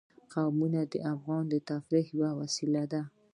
قومونه د افغانانو د تفریح یوه وسیله ده.